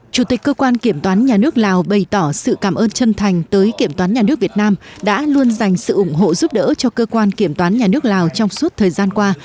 chủ tịch cơ quan kiểm toán nhà nước lào bày tỏ sự cảm ơn chân thành tới kiểm toán nhà nước việt nam đã luôn dành sự ủng hộ giúp đỡ cho cơ quan kiểm toán nhà nước lào trong suốt thời gian qua